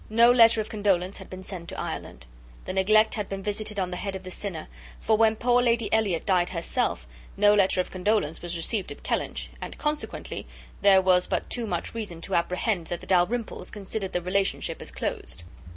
No letter of condolence had been sent to Ireland. The neglect had been visited on the head of the sinner; for when poor Lady Elliot died herself, no letter of condolence was received at Kellynch, and, consequently, there was but too much reason to apprehend that the Dalrymples considered the relationship as closed.